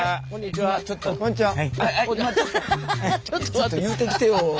ちょっと言うてきてよ。